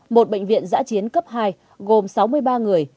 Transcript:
một bệnh viện giã chiến cấp hai gồm sáu mươi ba người